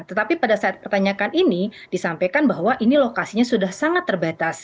tetapi pada saat pertanyakan ini disampaikan bahwa ini lokasinya sudah sangat terbatas